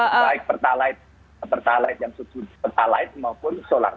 baik pertalaian yang sujud pertalaian maupun solansi